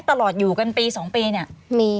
ตลอดอยู่กันปี๒ปี